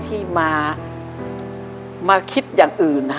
ที่มาคิดอย่างอื่น